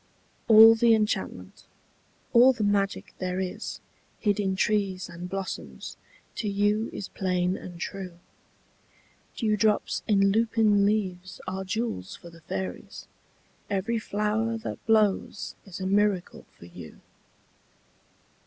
All the enchantment, all the magic there is Hid in trees and blossoms, to you is plain and true. Dewdrops in lupin leaves are jewels for the fairies; Every flower that blows is a miracle for you.